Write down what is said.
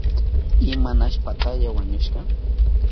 ¿Imanashpataya wañushka?